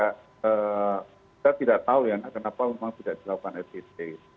kita tidak tahu ya kenapa memang tidak dilakukan ett